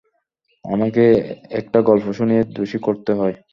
আমাকে একটা গল্প শুনিয়ে দোষী করতেই হয়!